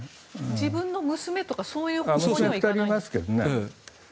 自分の娘とか、そういう方向にはいかないんですか？